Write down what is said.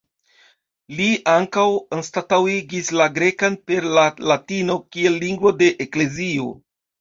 Li ankaŭ anstataŭigis la grekan per la latino kiel lingvo de eklezio.